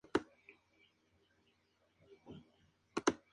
San Martín, cruzó los Andes y luchó heroicamente.